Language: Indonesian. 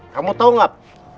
kamu tau ngap